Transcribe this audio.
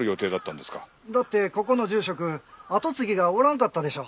だってここの住職後継ぎがおらんかったでしょ。